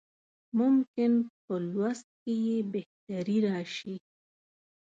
ممکن په لوست کې یې بهتري راشي.